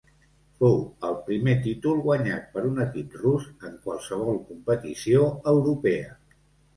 Fou el primer títol guanyat per un equip rus en qualsevol competició europea.